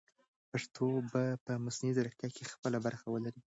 پښتو به په مصنوعي ځیرکتیا کې خپله برخه ولري.